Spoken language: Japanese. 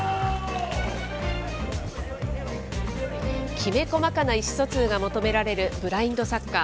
きめ細かな意思疎通が求められるブラインドサッカー。